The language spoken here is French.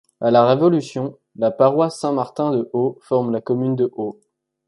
À la Révolution, la paroisse Saint-Martin de Haux forme la commune de Haux.